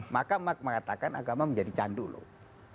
maka mengatakan agama menjadi candu loh